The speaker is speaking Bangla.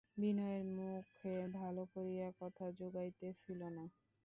বিনয়ের মুখে ভালো করিয়া কথা জোগাইতেছিল না।